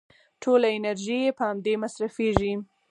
ټوله انرژي يې په امدې مصرفېږي.